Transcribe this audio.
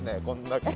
こんな。